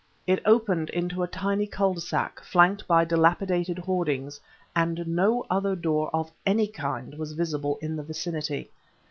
It opened into a tiny cul de sac, flanked by dilapidated hoardings, and no other door of any kind was visible in the vicinity.